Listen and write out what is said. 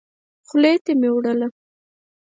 خولې ته مي وړله .